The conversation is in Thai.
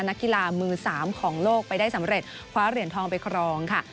นักกีฬามือ๓ของโลกไปได้สำเร็จคว้าเหรียญทองไปครองค่ะ